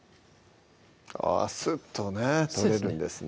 あぁすっとね取れるんですね